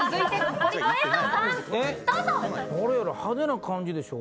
誰やろ、派手な感じでしょ